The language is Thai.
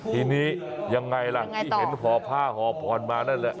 ทีนี้ยังไงล่ะที่เห็นห่อผ้าห่อพรมานั่นแหละ